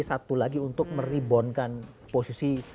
satu lagi untuk merebonkan posisi